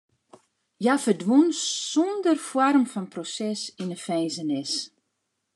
Hja ferdwûn sûnder foarm fan proses yn de finzenis.